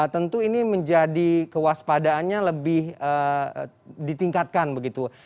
tentu ini menjadi kewaspadaannya lebih ditingkatkan begitu